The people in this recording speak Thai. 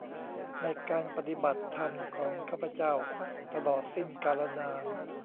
ในการปฏิบัติธรรมของข้าพเจ้าตลอดสิ้นกาลนาน